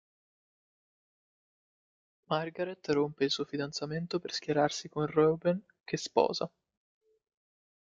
Margaret rompe il suo fidanzamento per schierarsi con Reuben che sposa.